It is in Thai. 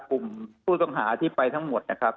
กลุ่มผู้ต้องหาที่ไปทั้งหมดนะครับ